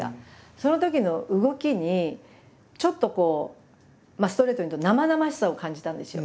そのときの動きにちょっとこうストレートに言うと生々しさを感じたんですよ。